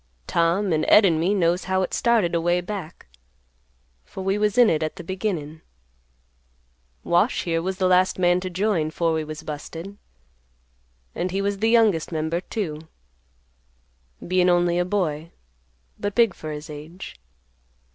Tom and Ed and me knows how it started away back, for we was in it at the beginnin'. Wash, here, was the last man to join, 'fore we was busted, and he was the youngest member, too; bein' only a boy, but big for his age.